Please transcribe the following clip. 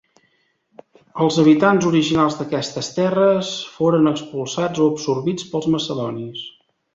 Els habitants originals d'aquestes terres foren expulsats o absorbits pels macedonis.